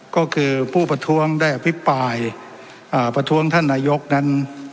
ก็คือผู้ประท้วงได้อภิปรายประท้วงท่านนายกนั้น